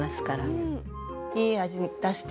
いい味出して。